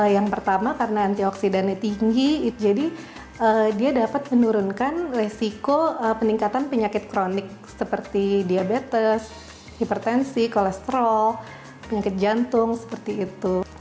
yang pertama karena antioksidannya tinggi jadi dia dapat menurunkan resiko peningkatan penyakit kronik seperti diabetes hipertensi kolesterol penyakit jantung seperti itu